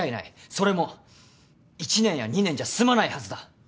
それも１年や２年じゃ済まないはずだ。